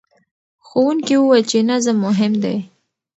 ښوونکي وویل چې نظم مهم دی.